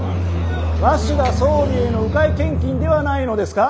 鷲田総理への迂回献金ではないのですか？